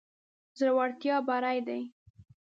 زړورتيا بري ده.